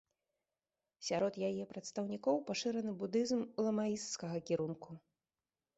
Сярод яе прадстаўнікоў пашыраны будызм ламаісцкага кірунку.